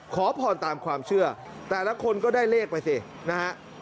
ขอพรตามความเชื่อแต่ละคนก็ได้เลขไปสินะฮะ